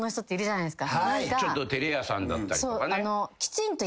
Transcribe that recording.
ちょっと照れ屋さんだったりとか。